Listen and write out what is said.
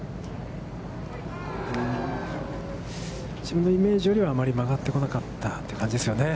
自分のイメージよりはあんまり曲がってこなかったという感じですね。